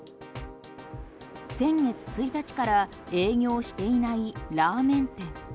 先月１日から営業していないラーメン店。